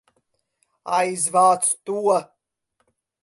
Aizvāc to!